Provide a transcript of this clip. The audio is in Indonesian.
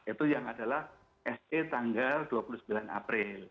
itu yang adalah se tanggal dua puluh sembilan april